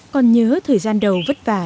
còn nhớ thời gian đầu vất vả